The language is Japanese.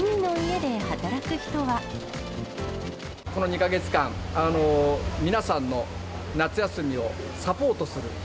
この２か月間、皆さんの夏休みをサポートする。